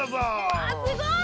わすごい。